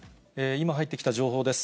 今入ってきた情報です。